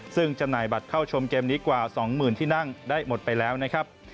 ซึ่งจำหน่ายบัตรเข้าชมเกมนี้กว่า๒๐๐๐ที่นั่งได้หมดไปแล้วนะครับ